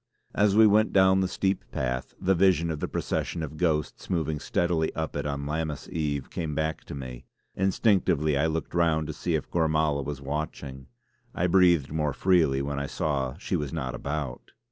As we went down the steep path, the vision of the procession of ghosts moving steadily up it on Lammas Eve, came back to me; instinctively I looked round to see if Gormala was watching. I breathed more freely when I saw she was not about.